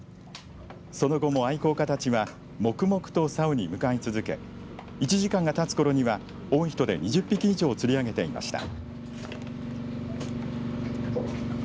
その後も愛好家たちは黙々と竿に向かい続け１時間がたつころには多い人で２０匹以上釣り上げていました。